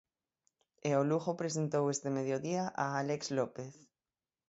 E o Lugo presentou este mediodía a Álex López.